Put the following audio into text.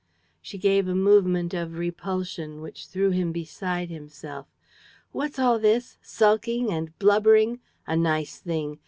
She gave a movement of repulsion which threw him beside himself. "What's all this? Sulking? And blubbering? A nice thing!